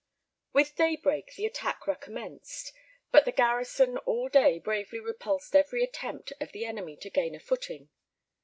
] With daybreak the attack recommenced, but the garrison all day bravely repulsed every attempt of the enemy to gain a footing.